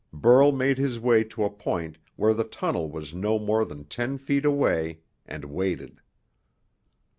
Burl made his way to a point where the tunnel was no more than ten feet away, and waited.